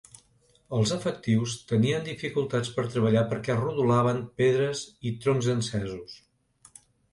Els efectius tenien dificultats per treballar perquè rodolaven pedres i troncs encesos.